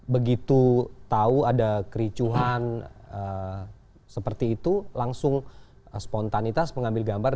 begitu tahu ada kericuhan seperti itu langsung spontanitas mengambil gambar